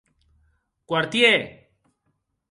Quartier!